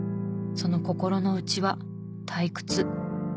その心の内は「退屈」。